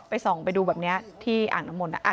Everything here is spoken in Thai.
ส่องไปดูแบบนี้ที่อ่างน้ำมนต์